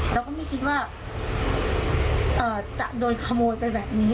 เราก็ไม่คิดว่าจะโดนขโมยไปแบบนี้